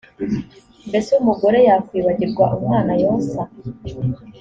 mbese umugore yakwibagirwa umwana yonsa